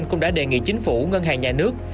cũng đã đề nghị chính phủ ngân hàng nhà nước